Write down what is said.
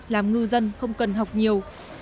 làm ngư dân không cần học nhiều